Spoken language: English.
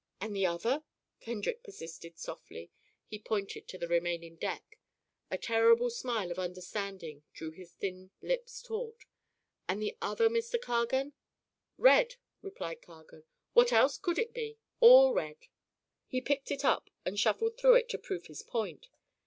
"And the other?" Kendrick persisted softly. He pointed to the remaining deck. A terrible smile of understanding drew his thin lips taut. "And the other, Mr. Cargan?" "Red," replied Cargan. "What else could it be? All red." He picked it up and shuffled through it to prove his point.